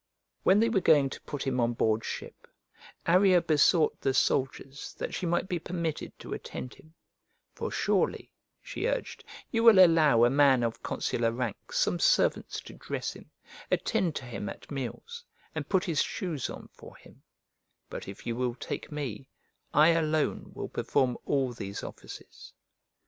When they were going to put him on board ship, Arria besought the soldiers that she might be permitted to attend him: "For surely," she urged, "you will allow a man of consular rank some servants to dress him, attend to him at meals, and put his shoes on for him; but if you will take me, I alone will perform all these offices."